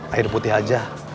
air putih aja